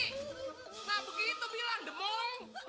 gak begitu bilang demong